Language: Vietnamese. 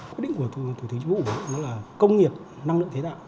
quyết định của thủ tướng chủ vụ là công nghiệp năng lượng tái tạo